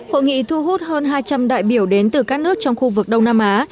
hội nghị thu hút hơn hai trăm linh đại biểu đến từ các nước trong khu vực đông nam á